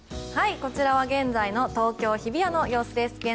こちらは現在の東京・日比谷の様子です。